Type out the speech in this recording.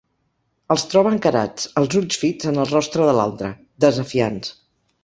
Els troba encarats, els ulls fits en el rostre de l'altre, desafiants.